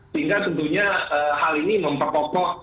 sehingga tentunya hal ini memperkokoh